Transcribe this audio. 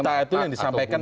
buta itu yang disampaikan